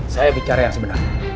saya bicara yang sebenarnya